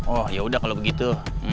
oh yaudah kalau begitu